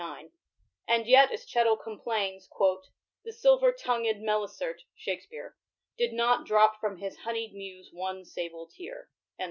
9), and yet, as Chettle complains, the silver tongM Melicert" (Shakspere) did not "drop from his honied Muse one sable teare."